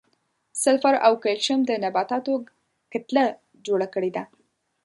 سلفر او کلسیم د نباتاتو کتله جوړه کړې ده.